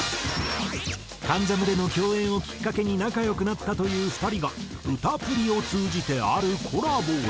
『関ジャム』での共演をきっかけに仲良くなったという２人が『うた☆プリ』を通じてあるコラボを。